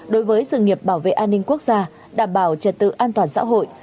đối với sự nghiệp bảo vệ an ninh quốc gia đảm bảo trật tự an toàn xã hội